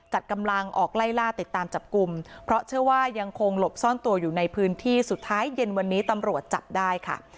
จัดกำลังออกไล่ล่าติดตามจับกลุ่มเพราะเชื่อว่ายังคงหลบซ่อนตัวอยู่ในพื้นที่สุดท้ายเย็นวันนี้ตำรวจจับได้ค่ะ